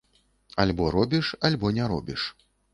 Альбо робіш, альбо не робіш.